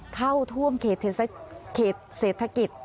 เข้าท่วมเขตเศรษฐกิจ